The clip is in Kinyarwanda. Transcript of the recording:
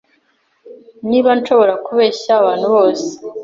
Niba nshobora kubeshya abantu bose